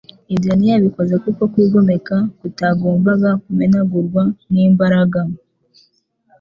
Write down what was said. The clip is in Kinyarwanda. ibyo ntiyabikoze kuko kwigomeka kutagombaga kumenagurwa n'imbaraga.